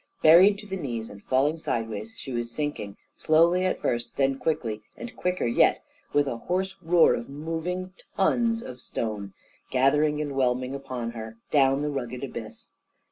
Buried to the knees and falling sideways, she was sinking slowly at first, then quickly and quicker yet, with a hoarse roar of moving tons of stone, gathering and whelming upon her, down the rugged abyss.